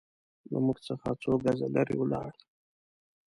له موږ څخه څو ګزه لرې ولاړ.